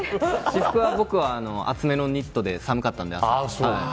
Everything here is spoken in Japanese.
私服は僕は厚めのニットで寒かったんで、朝。